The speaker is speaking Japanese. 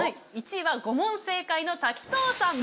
１位は５問正解の滝藤さん